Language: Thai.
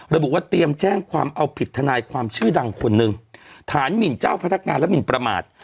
ระบุว่าเตรียมแจ้งความเอาผิดทนายความชื่อดังคนหนึ่งฐานหมินเจ้าพนักงานและหมินประมาท